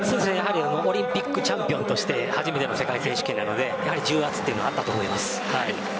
オリンピックチャンピオンとして初めての世界選手権なので重圧はあったと思います。